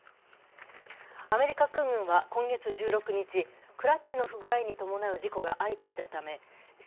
アメリカ空軍は今月１６日クラッチの不具合に伴う事故が相次いだためＣＶ−２２